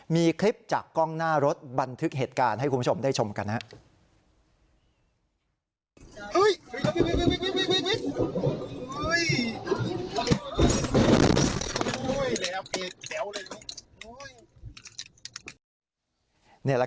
มีคลิปจากกล้องหน้ารถบันทึกเหตุการณ์ให้คุณผู้ชมได้ชมกันนะครับ